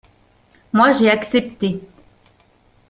Moi, j'ai accepté.